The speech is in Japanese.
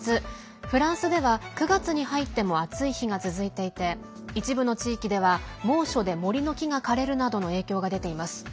フランスでは９月に入っても暑い日が続いていて一部の地域では、猛暑で森の木が枯れるなどの影響が出ています。